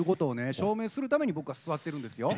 証明するために僕は座ってるんですよ。